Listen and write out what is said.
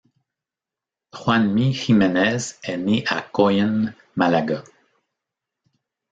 Juanmi Jiménez est né à Coín, Malaga.